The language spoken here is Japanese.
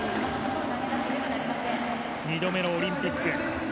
２度目のオリンピック。